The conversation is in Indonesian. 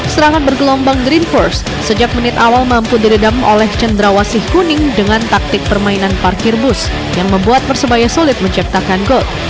serangan bergelombang green force sejak menit awal mampu diredam oleh cendrawasih kuning dengan taktik permainan parkir bus yang membuat persebaya sulit menciptakan gol